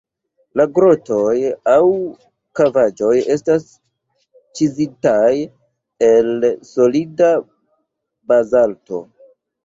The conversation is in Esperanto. La grotoj aŭ kavaĵoj estas ĉizitaj el solida bazalto.